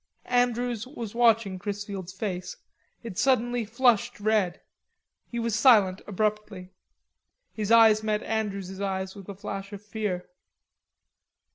Andrews was watching Chrisfield's face; it suddenly flushed red. He was silent abruptly. His eyes met Andrews's eyes with a flash of fear.